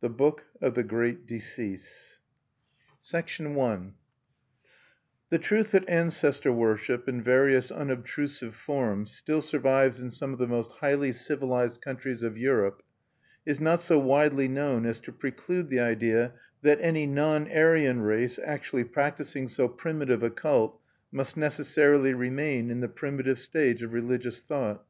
The Book Of the Great Decease. I The truth that ancestor worship, in various unobtrusive forms, still survives in some of the most highly civilized countries of Europe, is not so widely known as to preclude the idea that any non Aryan race actually practicing so primitive a cult must necessarily remain in the primitive stage of religious thought.